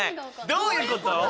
どういうこと？